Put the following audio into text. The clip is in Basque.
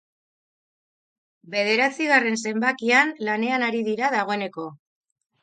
Bederatzigarren zenbakian lanean ari dira dagoeneko.